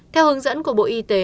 theo hướng dẫn của bộ y tế